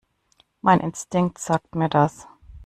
Mein Instinkt sagt mir das.